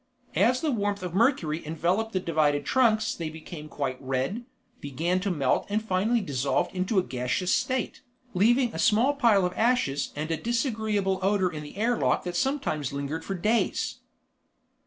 As the warmth of Mercury enveloped the divided trunks they became quite red, began to melt and finally dissolved into a gaseous state, leaving a small pile of ashes and a disagreeable odor in the air lock that sometimes lingered for days.